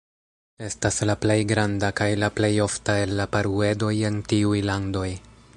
Estas la plej granda kaj la plej ofta el la paruedoj en tiuj landoj.